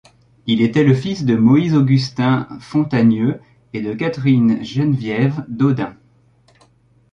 Il était le fils de Moïse-Augustin Fontanieu et de Catherine Geneviève Dodun.